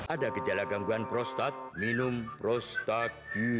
ada gejala gangguan prostat minum prostat